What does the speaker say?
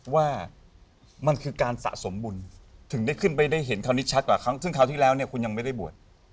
ว่ามันคือการสะสมบุญถึงได้ขึ้นไปได้เห็นคราวนี้ชัดกว่าครั้งซึ่งคราวที่แล้วเนี่ยคุณยังไม่ได้บวช